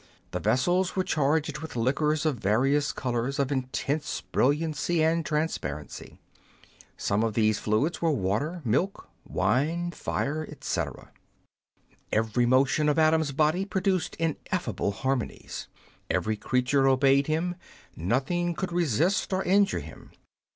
The vessels were charged with liquors of various colours of intense brilliancy and transparency ; some of these fluids were water, milk, wine, fire, etc. Every motion of Adam's body produced ineffable harmonies. Every creature obeyed him ; nothing could resist or injure him.